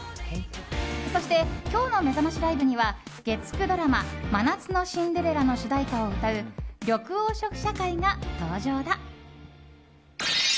そして今日のめざましライブには月９ドラマ「真夏のシンデレラ」の主題歌を歌う緑黄色社会が登場だ。